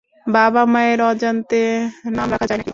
বাবা-মায়ের অজান্তে নাম রাখা যায় নাকি?